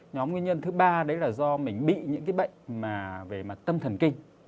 nhóm nguyên nhân thứ ba đấy là do mình bị những cái bệnh mà về mặt tâm thần kinh